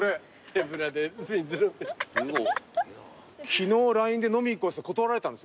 昨日ＬＩＮＥで飲み行こうっつって断られたんですよ。